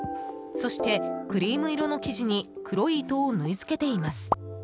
そして、クリーム色の生地に黒い糸を縫いつけています。